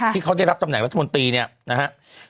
ที่เขาได้รับตำแหนรัฐมนตรีเนี่ยนะครับ